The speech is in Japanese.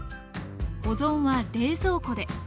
保存は冷蔵庫で。